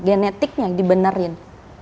genetiknya di benerin